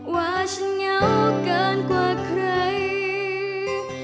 ว่าฉันเหงาเกินกว่าใคร